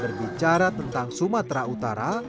berbicara tentang sumatera utara